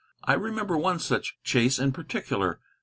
I remember one such chase in particular.